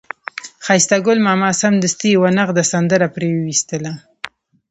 ښایسته ګل ماما سمدستي یوه نغده سندره پرې وویستله.